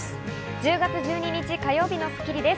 １０月１２日、火曜日の『スッキリ』です。